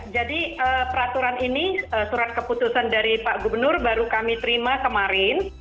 jadi peraturan ini surat keputusan dari pak gubernur baru kami terima kemarin